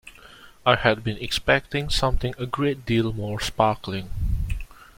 I had been expecting something a great deal more sparkling.